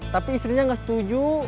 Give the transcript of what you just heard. tapi istrinya nggak setuju